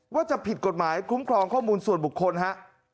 ว่าจะผิดกฎหมายคุ้มครองข้อมูลส่วนบุคคลฮะ